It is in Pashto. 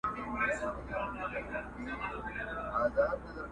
د باښو او د کارګانو هم نارې سوې٫